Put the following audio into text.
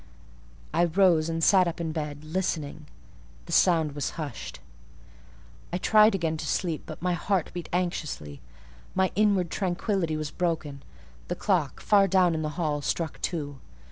I rose and sat up in bed, listening. The sound was hushed. I tried again to sleep; but my heart beat anxiously: my inward tranquillity was broken. The clock, far down in the hall, struck two.